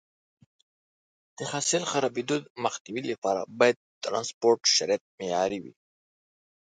د حاصل د خرابېدو مخنیوي لپاره باید د ټرانسپورټ شرایط معیاري وي.